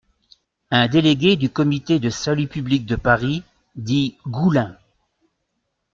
Un délégué du Comité de salut public de Paris, dit Goullin.